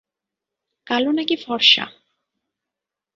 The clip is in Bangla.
কালো নাকি ফর্সা?